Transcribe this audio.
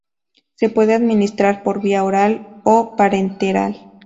Se puede administrar por vía oral o parenteral.